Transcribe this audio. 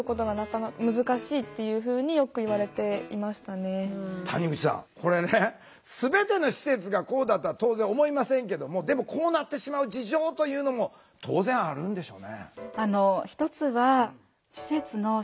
結局は集団生活になるので谷口さんこれね全ての施設がこうだとは当然思いませんけどもでもこうなってしまう事情というのも当然あるんでしょうね。